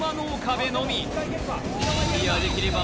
べのみクリアできれば